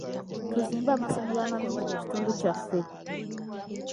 Tuzimbe amasomero amalungi mu kitundu kyaffe.